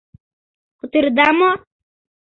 — Кутыреда мо?